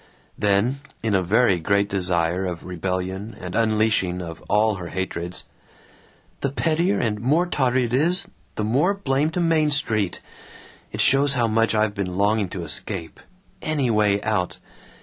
Then, in a very great desire of rebellion and unleashing of all her hatreds, "The pettier and more tawdry it is, the more blame to Main Street. It shows how much I've been longing to escape. Any way out!